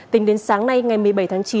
tính đến sáng nay ngày một mươi bảy tháng chín